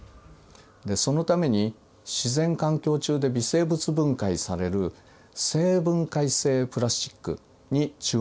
そのために自然環境中で微生物分解される生分解性プラスチックに注目が集まっています。